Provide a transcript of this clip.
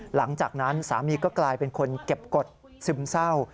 หลังจากนั้นสามีก็กลายเป็นคนเก็บกฎซึมเศร้า